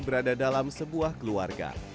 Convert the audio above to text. berada dalam sebuah keluarga